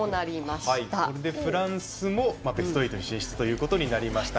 これでフランスもベスト８進出となりました。